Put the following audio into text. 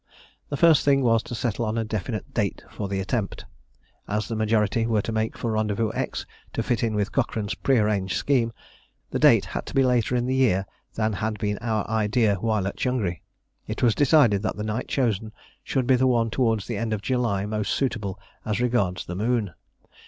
The first thing was to settle on a definite date for the attempt. As the majority were to make for Rendezvous X, to fit in with Cochrane's prearranged scheme, the date had to be later in the year than had been our idea while at Changri. It was decided that the night chosen should be the one towards the end of July most suitable as regards the moon.